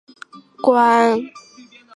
瑙鲁议会是瑙鲁的国家立法机关。